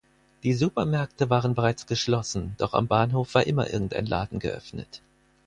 Die Supermärkte waren bereits geschlossen, doch am Bahnhof war immer irgendein Laden geöffnet